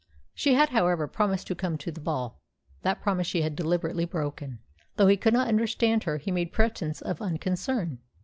She had, however, promised to come to the ball. That promise she had deliberately broken. Though he could not understand her, he made pretence of unconcern.